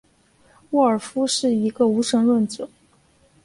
沃尔夫是一个无神论者。